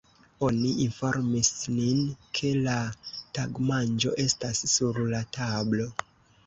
Oni informis nin, ke la tagmanĝo estas sur la tablo.